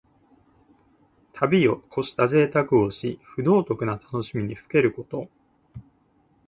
度をこしたぜいたくをし、不道徳な楽しみにふけること。